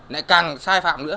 nãy càng sai phạm nữa